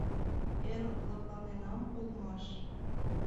Эр лыпланенам улмаш.